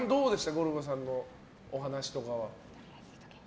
ゴルゴさんのお話とか。